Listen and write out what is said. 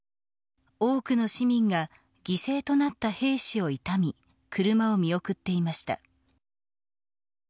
多くの市民が犠牲となった兵士を悼み車を見送っていました。